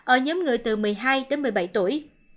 ở nhóm người từ một mươi hai đến một mươi bảy tuổi